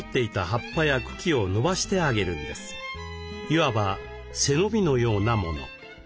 いわば背伸びのようなもの。